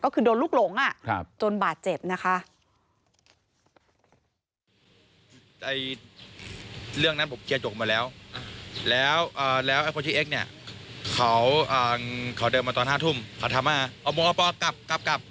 ก็คือโดนลูกหลงจนบาดเจ็บนะคะ